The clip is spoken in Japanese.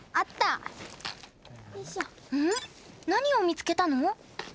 何を見つけたの？